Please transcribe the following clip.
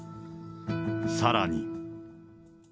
さらに。